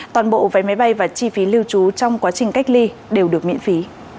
toàn bộ vé máy bay và chi phí lưu trú trong quá trình cách ly đều được miễn phí